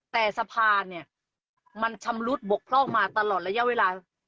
แต่สะพานเนี่ยมันชำรุดบกพร่องมาตลอดระยะเวลา